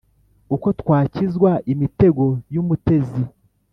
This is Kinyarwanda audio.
Uko twakizwa imitego y’umutezi